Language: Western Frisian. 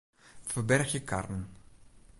Ferbergje karren.